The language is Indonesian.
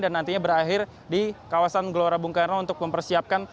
dan nantinya berakhir di kawasan gelora bungkara untuk mempersiapkan